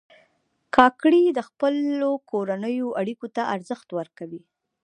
کاکړي د خپلو کورنیو اړیکو ته ارزښت ورکوي.